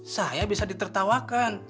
saya bisa ditertawakan